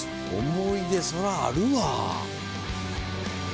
思い出そらあるわ。